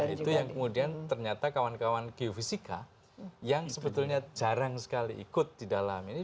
itu yang kemudian ternyata kawan kawan geofisika yang sebetulnya jarang sekali ikut di dalam ini